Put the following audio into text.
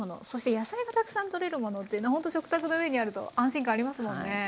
そして野菜がたくさんとれるものっていうのほんと食卓の上にあると安心感ありますもんね。